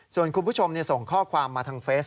ส่วนคุณผู้ชมส่งข้อความมาทางเฟซ